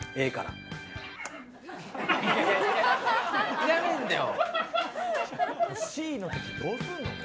いらないんだよ。